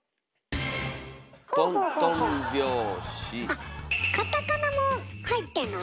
あっカタカナも入ってんのね。